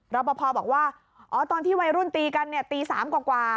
รอปภบอกว่าอ๋อตอนที่วัยรุ่นตีกันเนี่ยตี๓กว่า